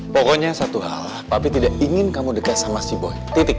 pokoknya satu hal tapi tidak ingin kamu dekat sama si boi